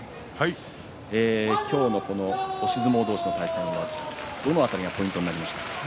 今日のこの押し相撲同士の対戦どの辺りがポイントになりましたか。